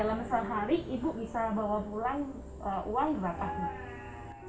berarti kalau dalam sehari ibu bisa bawa pulang uang berapa ibu